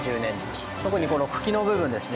特にこの茎の部分ですね。